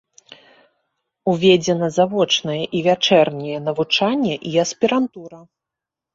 Уведзена завочнае і вячэрняе навучанне і аспірантура.